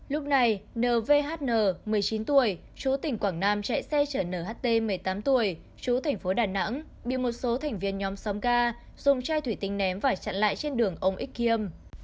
lúc này nvhn một mươi chín tuổi chú tỉnh quảng nam chạy xe chở nht một mươi tám tuổi chú thành phố đà nẵng bị một số thành viên nhóm xóm ga dùng chai thủy tinh ném và chặn lại trên đường ông ích khiêm